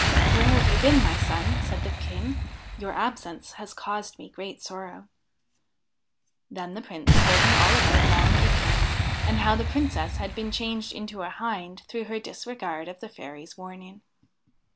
' Where have you been, my son ?' said the King. ' Your absence has caused me great sorrow I ' Then the Prince told him all about Long Epine, and how the Princess had been changed into a Hind through her disregard of the Fairy's warning.